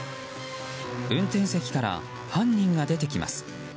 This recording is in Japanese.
運転席から犯人が出てきます。